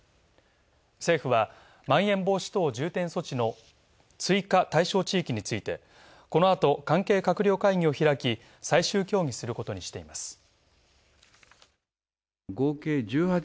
政府は、まん延防止等重点措置の追加対象地域についてこの後、関係閣僚会議を開き、最終協議することにしています。